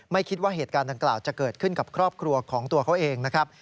ไม่คิดว่าเหตุการณ์ดังกล่าวจะเกิดขึ้นกับครอบครัวของตัวเขาเองนะครับ